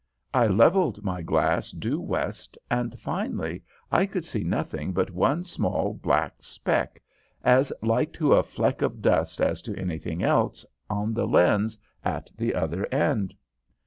I levelled my glass due west, and finally I could see nothing but one small, black speck as like to a fleck of dust as to anything else on the lens at the other end.